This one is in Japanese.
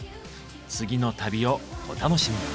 次の旅をお楽しみに。